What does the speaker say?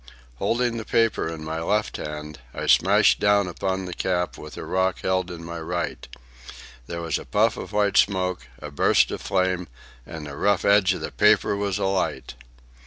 Holding the paper in my left hand, I smashed down upon the cap with a rock held in my right. There was a puff of white smoke, a burst of flame, and the rough edge of the paper was alight.